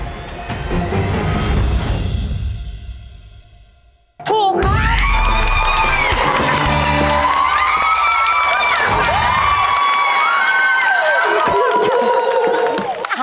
ถูกครับ